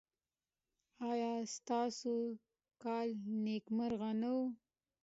ایا ستاسو کال نیکمرغه نه و؟